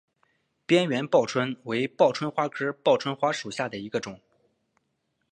波缘报春为报春花科报春花属下的一个种。